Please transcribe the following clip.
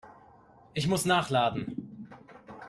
Ich muss nachladen.